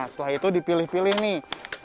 setelah itu dipilih pilih nih